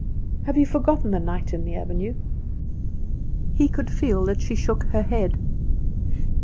"Have you forgotten the night in the avenue?" He could feel that she shook her head.